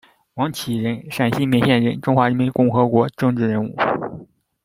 王启人，陕西勉县人，中华人民共和国政治人物。